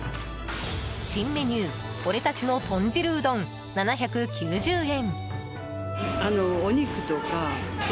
新メニュー俺たちの豚汁うどん、７９０円。